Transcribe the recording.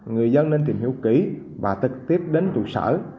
người dân nên tìm hiểu kỹ và trực tiếp đến trụ sở